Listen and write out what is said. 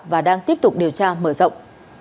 và đang tiếp tục điều tra mở rộng